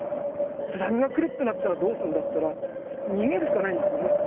津波が来るってなったらどうすんだって逃げるしかないんですよね